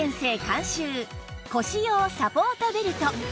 監修腰用サポートベルト